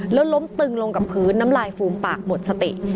แล้วล้มตึงลงกับพื้นน้ำลายฟูมปากหมดสติ